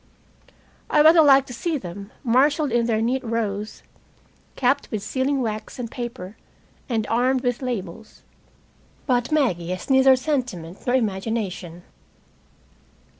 I rather like to see them, marshaled in their neat rows, capped with sealing wax and paper, and armed with labels. But Maggie has neither sentiment nor imagination.